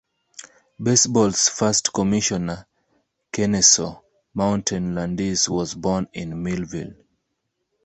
Baseball's first commissioner Kenesaw Mountain Landis was born in Millville.